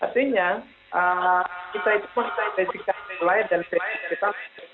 artinya kita itu pun kita ikutkan mulai dari keadaan kita